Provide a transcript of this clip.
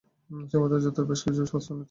সমুদ্রযাত্রায় বেশ কিছু স্বাস্থ্যোন্নতি হয়েছে।